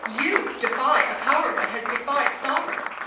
you defy a power that has defied sovereigns!